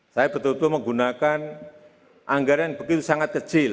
saya betul betul menggunakan anggaran yang begitu sangat kecil